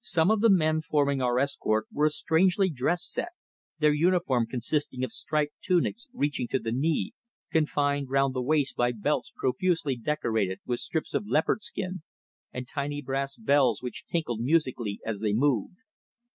Some of the men forming our escort were a strangely dressed set, their uniform consisting of striped tunics reaching to the knee, confined round the waist by belts profusely decorated with strips of leopard skin and tiny brass bells which tinkled musically as they moved.